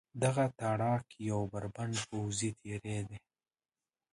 دغه تاړاک یو بربنډ پوځي تېری دی.